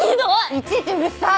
いちいちうるさい！